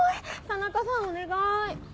田中さんお願い。